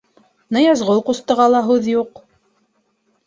Ныязғол ҡустыға ла һүҙ юҡ.